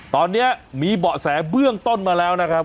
ตอนนี้มีเบาะแสเบื้องต้นมาแล้วนะครับ